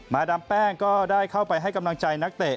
ดามแป้งก็ได้เข้าไปให้กำลังใจนักเตะ